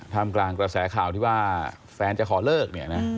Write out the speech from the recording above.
ทำกลางกระแสข่าวที่ว่าแฟนจะขอเลิกเนี่ยนะ